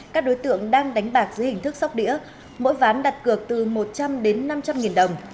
các đối tượng đang đánh bạc dưới hình thức sóc đĩa mỗi ván đặt cược từ một trăm linh đến năm trăm linh nghìn đồng